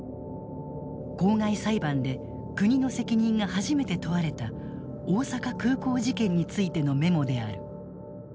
公害裁判で国の責任が初めて問われた大阪空港事件についてのメモである。